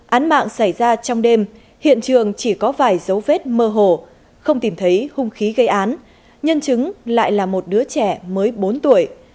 án mạng xảy ra trong đêm hiện trường chỉ có vài dấu vết mơ hồ không tìm thấy hung khí gây án nhân chứng lại là một đứa trẻ mới bốn tuổi